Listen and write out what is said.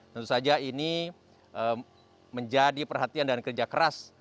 tentu saja ini menjadi perhatian dan kerja keras